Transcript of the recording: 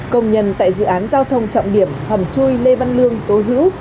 công nhân tại dự án giao thông trọng điểm hầm chui lê văn lương tố hữu